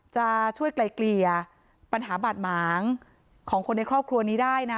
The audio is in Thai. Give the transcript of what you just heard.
จะช่วยไกลเกลี่ยปัญหาบาดหมางของคนในครอบครัวนี้ได้นะ